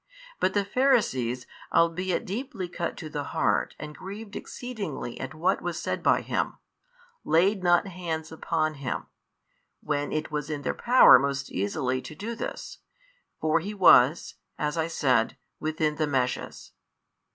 But the Pharisees, albeit deeply cut to the heart and grieved exceedingly at what was said by Him, laid not hands upon Him, when it was in their power most easily to do this; for He was, as I said, within the meshes.